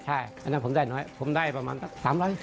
ใช่อันนั้นผมได้น้อยผมได้ประมาณ๓๐๐๔๐๐กว่าบาท